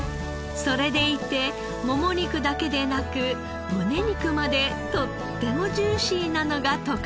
それでいてもも肉だけでなく胸肉までとってもジューシーなのが特長です。